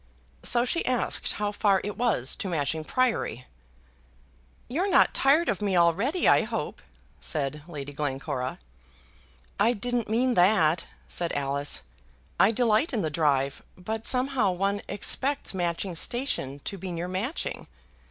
So she asked how far it was to Matching Priory. "You're not tired of me already, I hope," said Lady Glencora. "I didn't mean that," said Alice. "I delight in the drive. But somehow one expects Matching Station to be near Matching."